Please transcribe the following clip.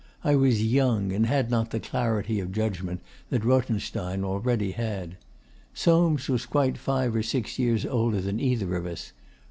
I was young, and had not the clarity of judgment that Rothenstein already had. Soames was quite five or six years older than either of us.